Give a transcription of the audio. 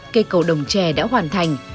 cây cầu đồng tre đã hoàn thành